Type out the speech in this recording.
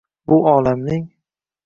Bu olamning